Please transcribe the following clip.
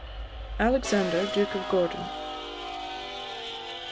ALEXANDER, DUKE OF GORDON.